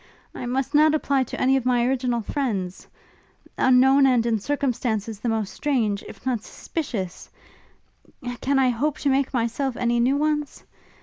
I must not apply to any of my original friends: unknown, and in circumstances the most strange, if not suspicious, can I hope to make myself any new ones?